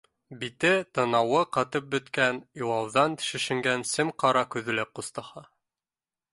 Бите, танауы ҡатып бөткән, илауҙан шешенгән сем-ҡара күҙле ҡустыһы